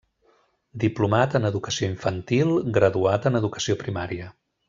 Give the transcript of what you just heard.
Diplomat en Educació Infantil, Graduat en Educació Primària.